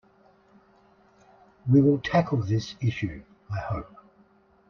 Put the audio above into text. We will tackle this issue, I hope.